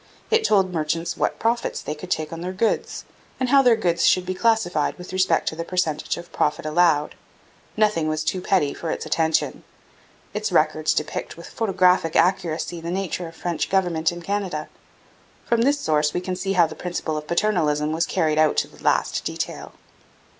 It told merchants what profits they could take on their goods, and how their goods should be classified with respect to the percentage of profit allowed. Nothing was too petty for its attention. Its records depict with photographic accuracy the nature of French government in Canada. From this source we can see how the principle of paternalism was carried out to the last detail.